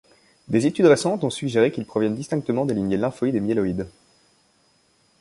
Des études récentes ont suggéré qu'ils proviennent distinctement des lignées lymphoïdes et myéloïdes.